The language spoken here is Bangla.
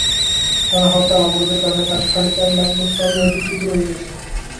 টানা হরতাল-অবরোধের কারণে তাঁর সাড়ে চার লাখ বস্তা আলু অবিক্রীত রয়ে গেছে।